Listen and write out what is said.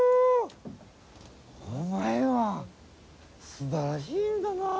お前は素晴らしい犬だな。